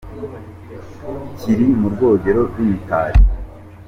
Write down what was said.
Kiri mo urwogere rw’imitari.